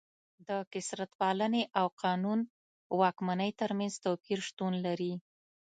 د کثرت پالنې او قانون واکمنۍ ترمنځ توپیر شتون لري.